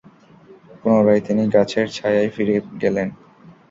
পুনরায় তিনি গাছের ছায়ায় ফিরে গেলেন।